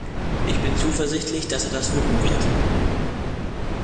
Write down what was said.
Ich bin zuversichtlich, dass er das wuppen wird.